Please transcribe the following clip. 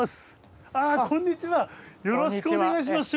よろしくお願いします。